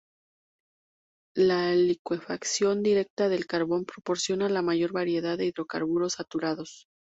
La licuefacción directa del carbón proporciona la mayor variedad de hidrocarburos saturados.